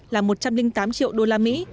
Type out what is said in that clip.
là một trăm linh tám triệu đô la mỹ